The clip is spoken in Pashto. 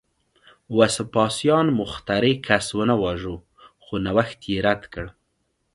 وسپاسیان مخترع کس ونه واژه، خو نوښت یې رد کړ